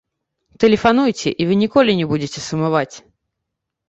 Тэлефануйце, і вы ніколі не будзеце сумаваць!